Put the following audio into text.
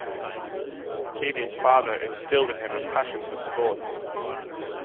Keady's father instilled in him a passion for sports.